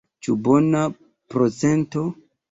Ĉu bona procento?